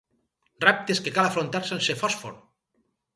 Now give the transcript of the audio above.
Reptes que cal afrontar sense fòsfor.